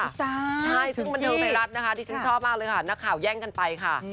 อุตจันทร์ถึงที่นะคะดิฉันชอบมากเลยค่ะนักข่าวแย่งกันไปค่ะ